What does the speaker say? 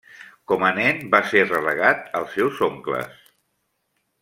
Com a nen, va ser relegat als seus oncles.